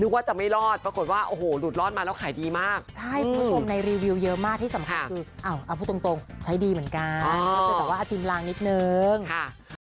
ว่าจะไม่รอดปรากฏว่าโอ้โหหลุดรอดมาแล้วขายดีมากใช่คุณผู้ชมในรีวิวเยอะมากที่สำคัญคือเอาพูดตรงใช้ดีเหมือนกันก็คือแบบว่าอาชิมลางนิดนึงค่ะ